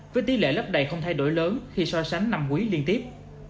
với tỷ lệ lấp đầy không thay đổi lớn khi so sánh năm quý liên tiếp